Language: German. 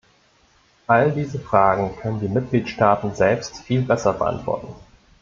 All diese Fragen können die Mitgliedstaaten selbst viel besser beantworten.